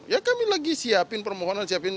ya kami lagi siapin permohonan siapin